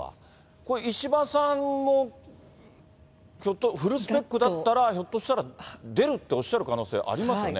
これ、石破さんもフルスペックだったら、ひょっとしたら出るっておっしゃる可能性ありますよね？